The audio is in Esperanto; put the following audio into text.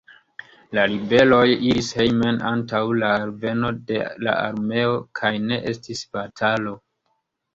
La ribeloj iris hejmen antaŭ la alveno de la armeo, kaj ne estis batalo.